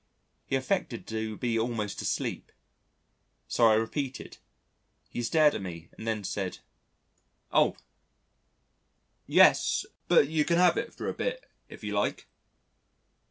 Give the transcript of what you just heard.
He affected to be almost asleep. So I repeated. He stared at me and then said: "Oh! yes ... but you can have it for a bit if you like."